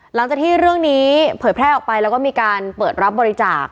หลังจากที่เรื่องนี้เผยแพร่ออกไปแล้วก็มีการเปิดรับบริจาค